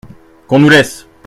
Qu’on nous laisse !